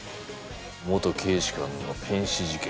元警視監の変死事件。